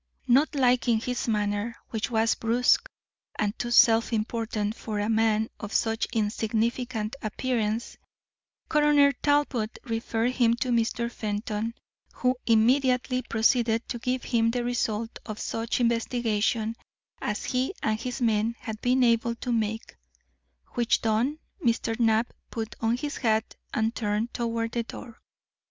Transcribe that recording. Not liking his manner, which was brusque and too self important for a man of such insignificant appearance, Coroner Talbot referred him to Mr. Fenton, who immediately proceeded to give him the result of such investigations as he and his men had been able to make; which done, Mr. Knapp put on his hat and turned toward the door.